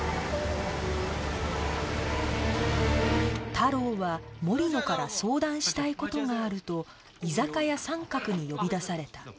太郎は森野から相談したい事があると居酒屋サンカクに呼び出された